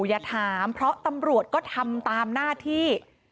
อย่าถามเพราะตำรวจก็ทำตามหน้าที่